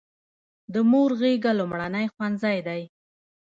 د مور غیږه لومړنی ښوونځی دی.